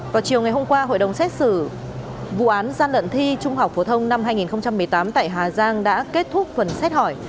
vào chiều ngày hôm qua hội đồng xét xử vụ án gian lận thi trung học phổ thông năm hai nghìn một mươi tám tại hà giang đã kết thúc phần xét hỏi